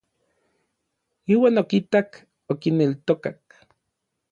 Iuan okitak, okineltokak.